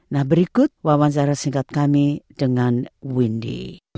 nah berikut wawancara singkat kami dengan windy